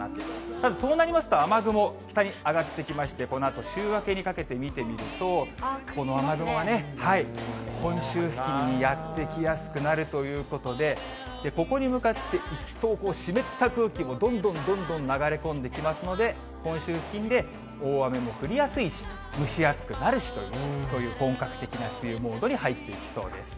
ただそうなりますと雨雲、北に上がってきまして、このあと週明けにかけて見てみると、この雨雲がね、本州付近にやって来やすくなるということで、ここに向かって一層湿った空気もどんどんどんどん流れ込んできますので、本州付近で大雨も降りやすいし、蒸し暑くなるしという、そういう本格的な梅雨モードに入っていきそうです。